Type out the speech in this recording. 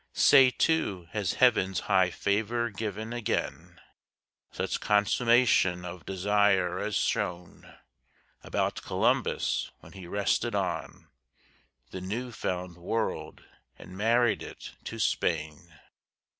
Say, too, has Heaven's high favor given again Such consummation of desire as shone About Columbus when he rested on The new found world and married it to Spain?